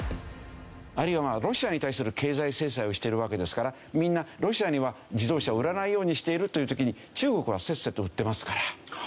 あるいはロシアに対する経済制裁をしてるわけですからみんなロシアには自動車を売らないようにしているという時に中国はせっせと売ってますから。